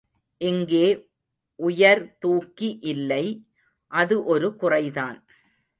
இங்கே உயர் தூக்கி இல்லை அது ஒரு குறைதான்.